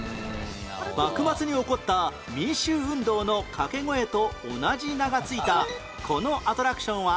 幕末に起こった民衆運動のかけ声と同じ名が付いたこのアトラクションは？